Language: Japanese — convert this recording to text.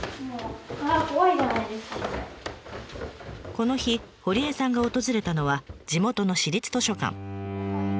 この日堀江さんが訪れたのは地元の私立図書館。